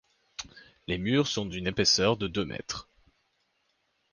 Les murs sont d’une épaisseur de deux mètres.